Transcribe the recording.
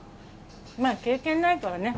まあ経験ないからね。